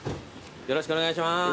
よろしくお願いします。